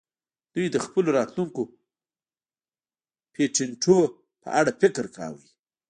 دوی د خپلو راتلونکو پیټینټونو په اړه فکر کاوه